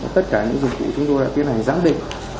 tất cả những dụng cụ chúng tôi đã tiến hành giám định